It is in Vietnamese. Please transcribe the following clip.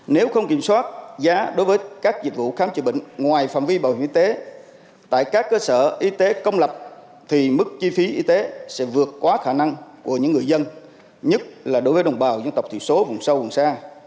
nếu không kiểm soát giá đối với các dịch vụ khám chữa bệnh ngoài phạm vi bảo hiểm y tế tại các cơ sở y tế công lập thì mức chi phí y tế sẽ vượt qua khả năng của những người dân nhất là đối với đồng bào dân tộc thiểu số vùng sâu vùng xa